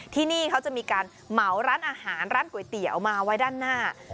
ที่นี่เขาจะมีการเหมาร้านอาหารร้านก๋วยเตี๋ยวมาไว้ด้านหน้า